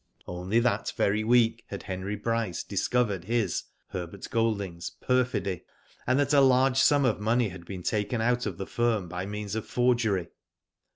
Only that very week had Henry Bryce dis covered his (Herbert Golding's) perfidy, aifd that a large sum of money had been taken out of the firm by means of forgery.